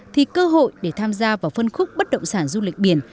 thì cơ hội để tham gia vào phân khúc bất động sản du lịch biển